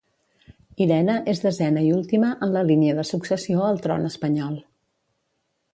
Irene és desena i última en la línia de successió al tron espanyol.